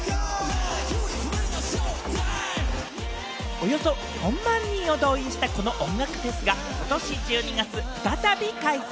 およそ４万人を動員したこの音楽フェスがことし１２月、再び開催。